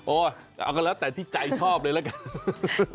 เอาก็แล้วแต่ที่ใจชอบเลยละกัน